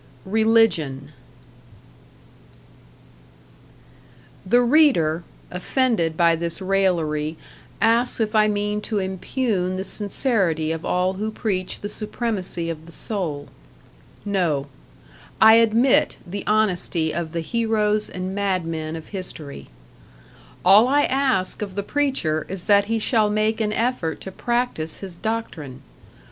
#Religion# The reader, offended by this raillery, asks if I mean to impugn the sincerity of all who preach the supremacy of the soul. No; I admit the honesty of the heroes and madmen of history. All I ask of the preacher is that he shall make an effort to practice his doctrine.